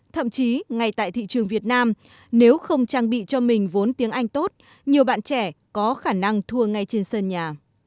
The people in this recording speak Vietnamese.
thậm chí ngay tại thị trường việt nam nếu không trang bị cho mình vốn tiếng anh tốt nhiều bạn trẻ có khả năng thua ngay trên sân nhà